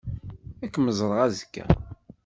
Ad kem-ẓṛeɣ azekka.